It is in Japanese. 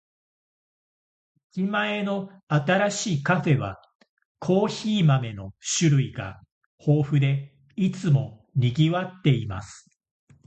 駅前の新しいカフェは、コーヒー豆の種類が豊富で、いつも賑わっています。